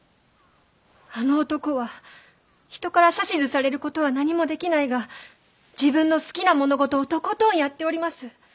あの男は人から指図されることは何もできないが自分の好きな物事をとことんやっております。